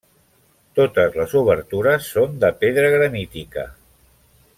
Totes les obertures són de pedra granítica.